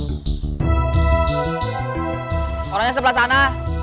soalnya sebelah sana